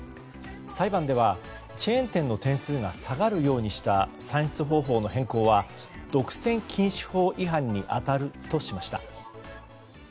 裁判ではチェーン店の点数が下がるようにした算出方法の変更は独占禁止法違反に当たるとしました。